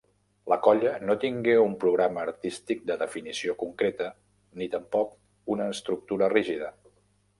La colla no tingué un programa artístic de definició concreta ni tampoc una estructura rígida.